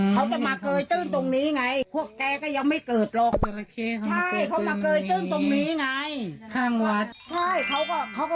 เขาจะมาเกยตื้นตรงนี้ไงพวกแกก็ยังไม่เกิดหรอก